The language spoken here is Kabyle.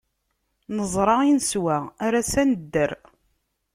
Neẓra i neswa, ar ass-a nedder.